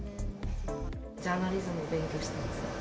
ジャーナリズムを勉強しています。